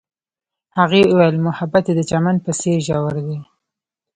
هغې وویل محبت یې د چمن په څېر ژور دی.